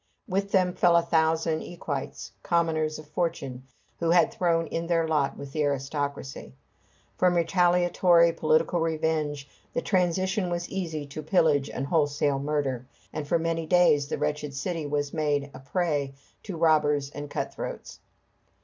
With them fell a thousand equites, commoners of fortune, who had thrown in their lot with the aristocracy. From retaliatory political revenge the transition was easy to pillage and wholesale murder; and for many days the wretched city was made a prey to robbers and cut throats.